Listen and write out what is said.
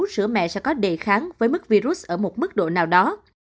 sữa mẹ sẽ có đề kháng với mức virus ở một mức độ nào đó